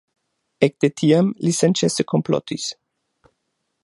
Ekde tiam li senĉese komplotis.